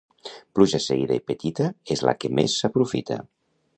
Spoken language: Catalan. Pluja seguida i petita és la que més s'aprofita.